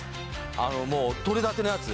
あのもうとれたてのやつ